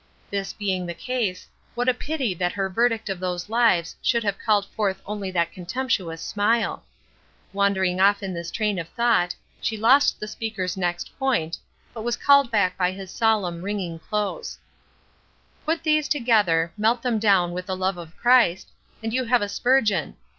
This being the case, what a pity that her verdict of those lives should have called forth only that contemptuous smile! Wandering off in this train of thought, she lost the speaker's next point, but was called back by his solemn, ringing close. "Put these together, melt them down with the love of Christ, and you have a Spurgeon.